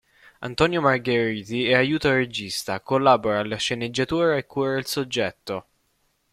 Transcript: Antonio Margheriti è aiuto regista; collabora alla sceneggiatura e cura il soggetto.